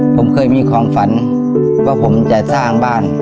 ผมเคยมีความฝันว่าผมจะสร้างบ้าน